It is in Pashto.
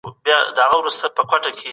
هغه خپله دنده په پوره اخلاص ترسره کوي.